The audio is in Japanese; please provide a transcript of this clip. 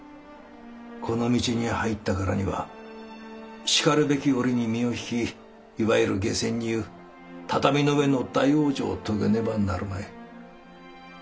この道に入ったからにはしかるべき折に身を引きいわゆる下賎にいう「畳の上の大往生」を遂げねばなるまい。